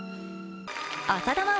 浅田真央